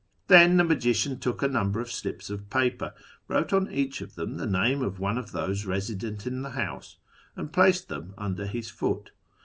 Then the magician took a number of slips of paper, wrote on each of them the name of one of those resident in the house, and placed them under his foot.